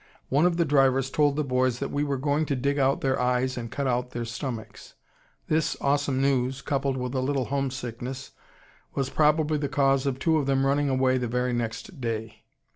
One of the drivers told the boys that we were going to dig out their eyes and cut out their stomachs. This awesome news, coupled with a little homesickness, was probably the cause of two of them running away the very next day.